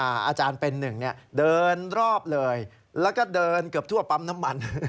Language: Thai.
อาจารย์เป็นหนึ่งเนี่ยเดินรอบเลยแล้วก็เดินเกือบทั่วปั๊มน้ำมัน